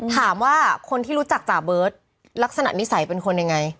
ถามว่าคนที่รู้จักจ่าเบิร์ตลักษณะนิสัยเป็นคนยังไง